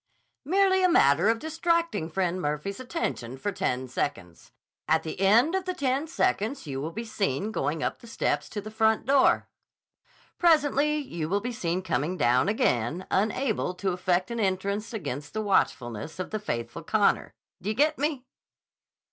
"Merely a matter of distracting Friend Murphy's attention for ten seconds. At the end of the ten seconds you will be seen going up the steps to the front door. Presently you will be seen coming down again, unable to effect an entrance against the watchfulness of the faithful Connor. Do you get me?"